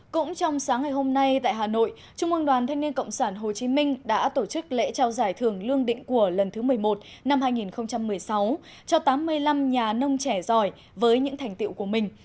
cũng trong sáng ngày hôm nay tại hà nội trung ương đoàn thanh niên cộng sản hồ chí minh đã tổ chức lễ trao giải thưởng lương định của lần thứ một mươi một năm hai nghìn một mươi sáu cho tám mươi năm nhà nông trẻ giỏi với những thành tiệu của mình